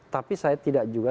tapi saya tidak juga